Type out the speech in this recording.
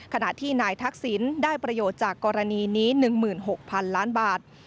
ขณะที่นายทักษิณได้ประโยชน์จากกรณีนี้๑๖๐๐๐ล้านบาท